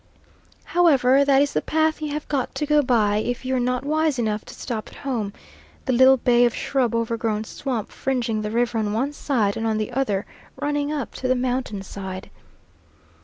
However that is the path you have got to go by, if you're not wise enough to stop at home; the little bay of shrub overgrown swamp fringing the river on one side and on the other running up to the mountain side.